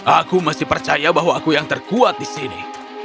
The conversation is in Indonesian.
aku masih percaya bahwa aku yang terkuat di sini